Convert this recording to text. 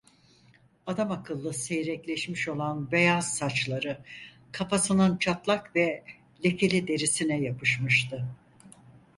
Adamakıllı seyrekleşmiş olan beyaz saçları kafasının çatlak ve lekeli derisine yapışmıştı.